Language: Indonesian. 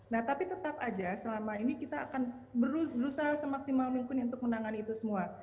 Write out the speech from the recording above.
nah tapi tetap aja selama ini kita akan berusaha semaksimal mungkin untuk menangani itu semua